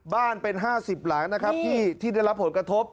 บ้านเป็น๕๐หลังที่ได้รับผลกระทบ